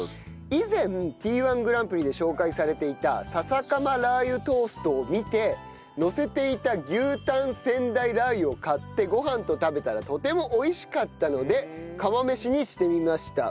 以前Ｔ−１グランプリで紹介されていた笹かまラー油トーストを見てのせていた牛タン仙台ラー油を買ってご飯と食べたらとても美味しかったので釜飯にしてみました。